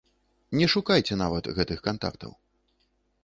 Не шукайце нават гэтых кантактаў.